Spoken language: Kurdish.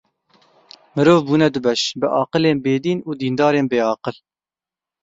Mirov bûne du beş; biaqilên bê dîn û dîndarên bêaqil.